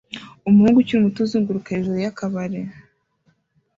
Umuhungu ukiri muto uzunguruka hejuru y'akabari